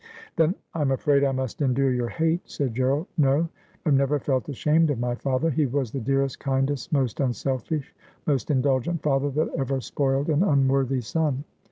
' Then I'm afraid I must endure your hate,' said Gerald. ' No ; I have never felt ashamed of my father : he was the dearest, kindest, most unselfish, most indulgent father that ever spoiled an unworthy son.